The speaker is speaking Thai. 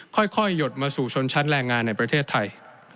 ค่อยหยดมาสู่ชนชั้นแรงงานในประเทศไทย